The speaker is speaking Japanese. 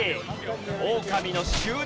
オオカミの執念